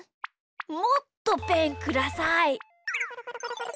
もっとペンください。